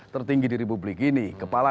tertinggi di republik ini kepala